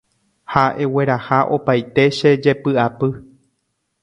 Ha egueraha opaite che jepy'apy